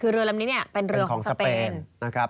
คือเรือลำนี้เป็นเรือของสเปน